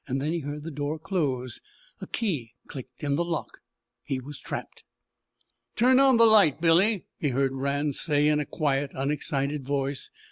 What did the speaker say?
Then he heard the door close. A key clicked in the lock. He was trapped. "Turn on the light, Billy," he heard Rann say in a quiet, unexcited voice.